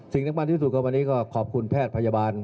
สิ่งที่มันที่สุดครับวันนี้ก็ขอบคุณแพทย์พยาบาล